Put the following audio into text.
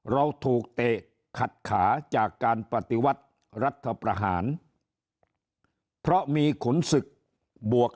เราถูกเตะขัดขาจากการปฏิวัติรัฐประหารเพราะมีขุนศึกบวก